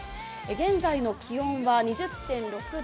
現在の気温は２０．６度。